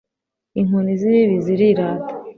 inkozi zibibi zirirata